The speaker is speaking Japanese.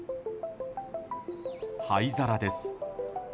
灰皿です。